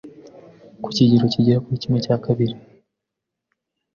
ku kigero kigera kuri kimwe cya kabiri